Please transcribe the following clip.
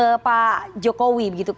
ke pak jokowi begitu